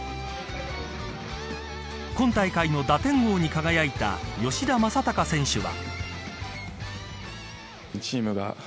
今大会の打点王に輝いた吉田正尚選手は。